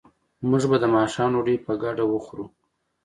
موږ به د ماښام ډوډۍ په ګډه وخورو